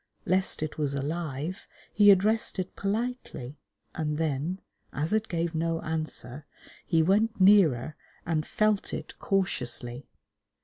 Lest it was alive, he addressed it politely, and then, as it gave no answer, he went nearer and felt it cautiously.